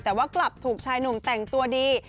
แต่ว่ากลับถูกชายหนุ่มแต่งตัวดี